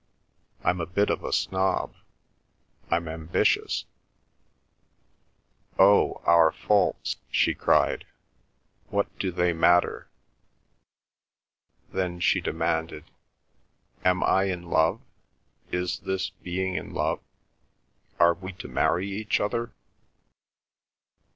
I'm a bit of a snob; I'm ambitious—" "Oh, our faults!" she cried. "What do they matter?" Then she demanded, "Am I in love—is this being in love—are we to marry each other?"